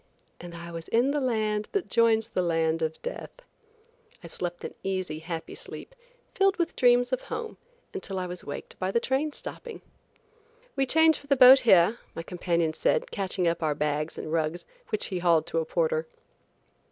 –" and I was in the land that joins the land of death. I slept an easy, happy sleep, filled with dreams of home until I was waked by the train stopping. "We change for the boat here," my companion said catching up our bags and rugs, which he hauled to a porter.